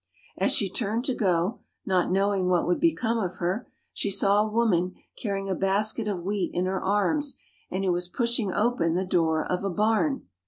As she turned to go, not knowing what would become of her, she saw a woman carrying a basket of wheat in her arms and who was pushing open the door of a barn.